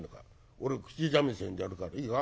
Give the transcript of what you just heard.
俺口三味線でやるからいいか？